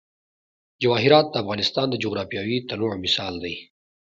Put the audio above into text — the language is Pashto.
جواهرات د افغانستان د جغرافیوي تنوع مثال دی.